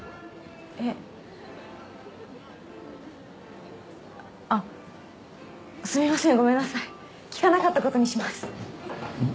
えっあっすみませんごめんなさい聞かなかったことにしますん？